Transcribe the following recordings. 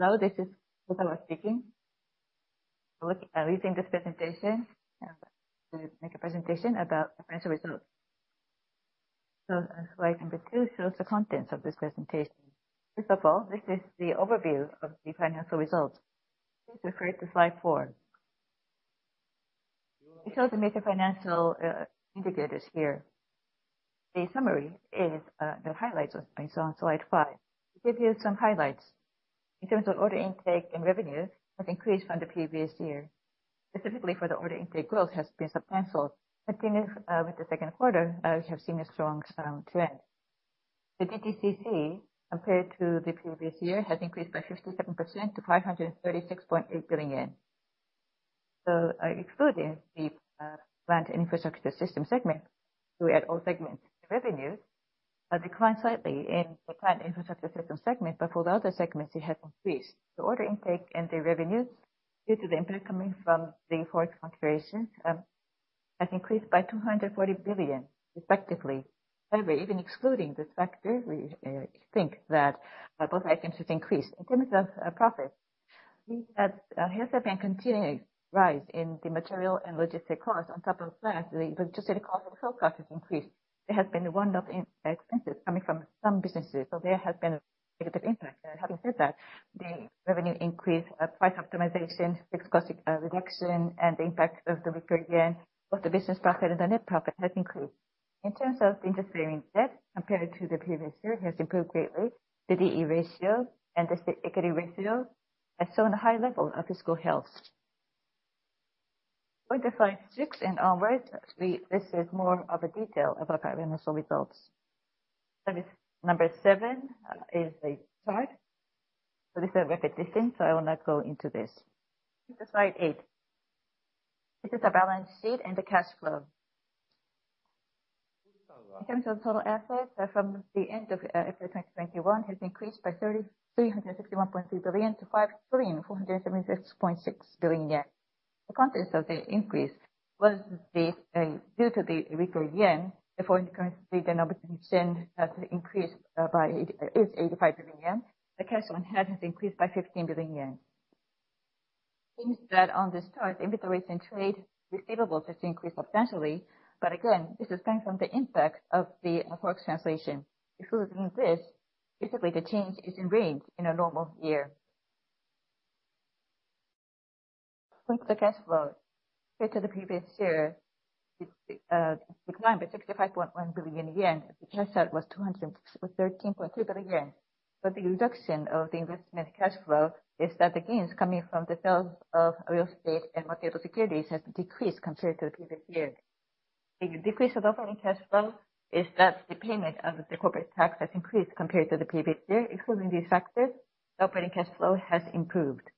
Hello, this is Kozawa speaking. I would reading this presentation to make a presentation about financial results. On slide number 2 shows the contents of this presentation. First of all, this is the overview of the financial results. Please refer to slide 4. We show the major financial indicators here. The summary is, the highlights are based on slide 5. To give you some highlights. In terms of order intake and revenue, have increased from the previous year. Specifically for the order intake growth has been substantial, beginning with the second quarter, we have seen a strong trend. The GTCC, compared to the previous year, has increased by 57% to 536.8 billion yen. Excluding the Plants & Infrastructure Systems segment, we add all segments. The revenues have declined slightly in the Plants & Infrastructure Systems segment, but for the other segments it has increased. The order intake and the revenues, due to the input coming from the foreign configurations, has increased by 240 billion effectively. Even excluding this factor, we think that both items have increased. In terms of profit, we have here have been continuing rise in the material and logistic costs on top of last, the logistic cost and the fuel cost has increased. There has been a one-off in expenses coming from some businesses, so there has been a negative impact. Having said that, the revenue increase, price optimization, fixed cost, reduction, and the impact of the weaker yen of the business profit and the net profit has increased. In terms of interest-bearing debt, compared to the previous year, has improved greatly. The DE ratio and the shareholder equity ratio has shown a high level of fiscal health. Slide six and onwards, this is more of a detail about our financial results. Number seven is a chart. This is a repetition, so I will not go into this. Please to slide eight. This is a balance sheet and the cash flow. In terms of total assets, from the end of April 2022 has increased by 3,361.3 billion to 5,476.6 billion yen. The contents of the increase was the due to the weaker yen, the foreign currency gain obviously has increased by 885 billion yen. The cash on hand has increased by 15 billion yen. Things that on this chart, inventories and trade receivables has increased substantially. Again, this is coming from the impact of the forex translation. Excluding this, basically the change is in range in a normal year. With the cash flow, compared to the previous year, it's declined by 65.1 billion yen. The cash out was two hundred and sixty-thirteen point three billion yen. The reduction of the investment cash flow is that the gains coming from the sales of real estate and marketable securities has decreased compared to the previous year. The decrease of operating cash flow is that the payment of the corporate tax has increased compared to the previous year. Excluding these factors, the operating cash flow has improved.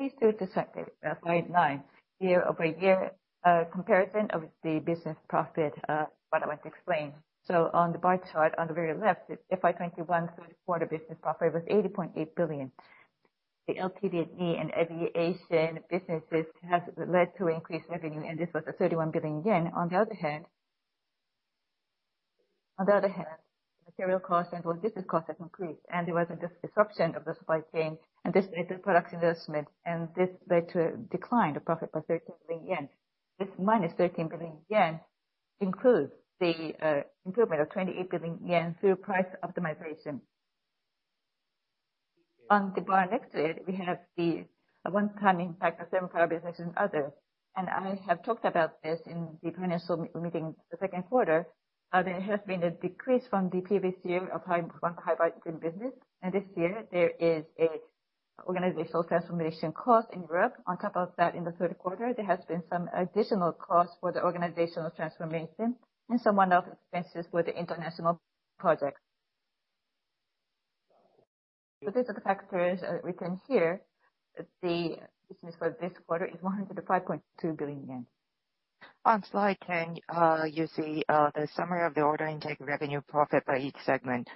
Please turn to slide nine. Year-over-year comparison of the business profit, what I would like to explain. On the bar chart on the very left, if FY2021 3rd quarter business profit was 80.8 billion. The LPD&E and aviation businesses has led to increased revenue, and this was at 31 billion yen. On the other hand, material costs and logistics costs have increased, and there was a disruption of the supply chain, and this led to product investment, and this led to a decline of profit by 13 billion yen. This minus 13 billion yen includes the improvement of 28 billion yen through price optimization. On the bar next to it, we have the one time impact of Sempra business and other. I have talked about this in the financial meeting the 2nd quarter, there has been a decrease from the previous year from the high volume business. This year there is a organizational transformation cost in Europe. On top of that, in the third quarter, there has been some additional costs for the organizational transformation and some one-off expenses with the international projects. With these are the factors written here, the business for this quarter is 105.2 billion yen. On slide 10, you see the summary of the order intake revenue profit by each segment.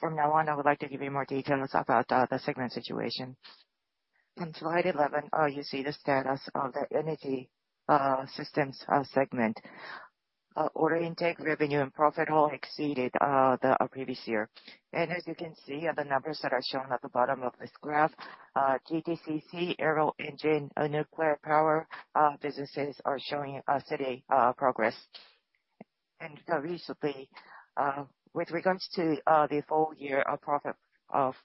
From now on, I would like to give you more details about the segment situation. On slide 11, you see the status of the Energy Systems segment. Order intake, revenue, and profit all exceeded the previous year. As you can see on the numbers that are shown at the bottom of this graph, GTCC, aero engine, nuclear power, businesses are showing steady progress. Recently, with regards to the full year profit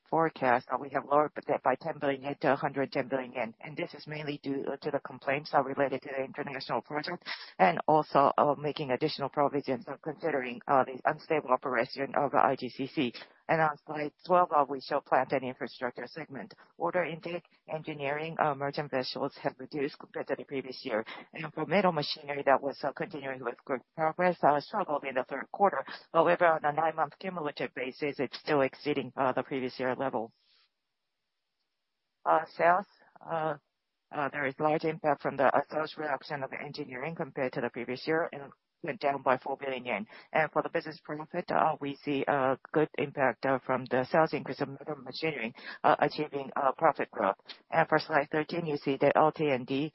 forecast, we have lowered that by 10 billion yen to 110 billion yen. This is mainly due to the complaints related to the international project and also making additional provisions considering the unstable operation of IGCC. On slide 12, we show Plants & Infrastructure segment. Order intake, engineering, merchant vessels have reduced compared to the previous year. For metal machinery that was continuing with good progress, struggled in the third quarter. However, on a nine-month cumulative basis, it's still exceeding the previous year level. Sales, there is large impact from the sales reduction of engineering compared to the previous year and went down by 4 billion yen. For the business profit, we see a good impact from the sales increase of metal machinery, achieving profit growth. For slide 13, you see the LT&D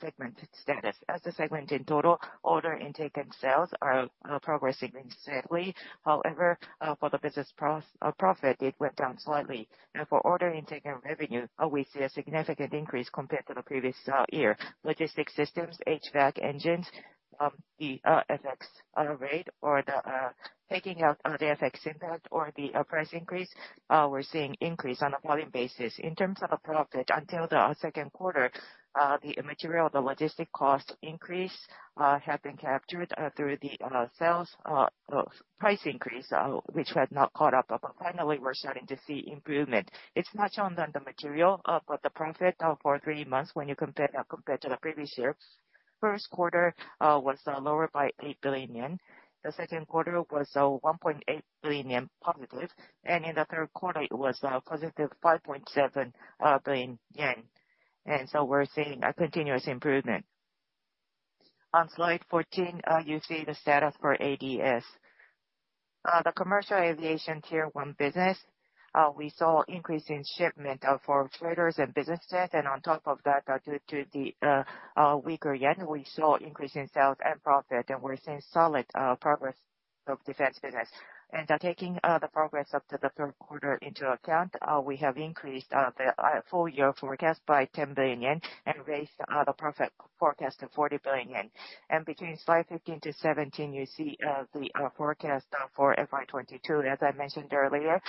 segment status. As a segment in total, order intake and sales are progressing steadily. However, for the business profit, it went down slightly. For order intake and revenue, we see a significant increase compared to the previous year. Logistics systems, HVAC engines, the FX rate or the taking out the FX impact or the price increase, we're seeing increase on a volume basis. In terms of the profit, until the second quarter, the material, the logistic cost increase have been captured through the sales price increase, which had not caught up. Finally, we're starting to see improvement. It's not only on the material, but the profit for three months when you compare compared to the previous year. First quarter was lower by 8 billion yen. The second quarter was 1.8 billion yen positive. In the third quarter, it was positive 5.7 billion yen. We're seeing a continuous improvement. On slide 14, you see the status for ADS. The commercial aviation Tier 1 business, we saw increase in shipment for freighters and business jets. On top of that, due to the weaker yen, we saw increase in sales and profit, and we're seeing solid progress of defense business. Taking the progress of the third quarter into account, we have increased the full year forecast by 10 billion yen and raised the profit forecast to 40 billion yen. Between slide 15 to 17, you see the forecast for FY2022. As I mentioned earlier,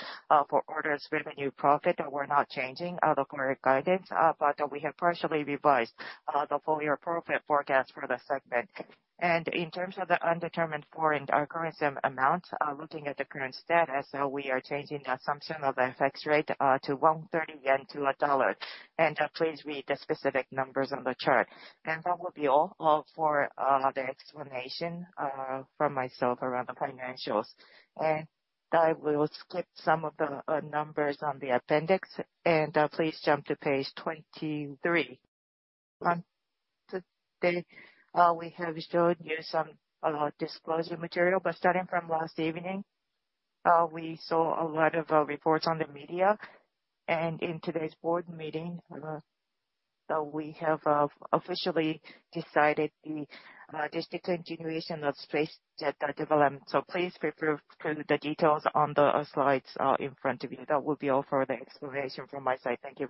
for orders, revenue, profit, we're not changing the current guidance, but we have partially revised the full year profit forecast for the segment. In terms of the undetermined foreign currency amount, looking at the current status, we are changing the assumption of FX rate to 130 yen to a dollar. Please read the specific numbers on the chart. That will be all for the explanation from myself around the financials. I will skip some of the numbers on the appendix, please jump to page 23. Today, we have showed you some disclosure material, but starting from last evening, we saw a lot of reports on the media. In today's board meeting, we have officially decided the discontinuation of SpaceJet development. Please refer to the details on the slides in front of you. That will be all for the explanation from my side. Thank you very much.